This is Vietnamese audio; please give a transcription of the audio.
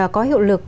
có hiệu lực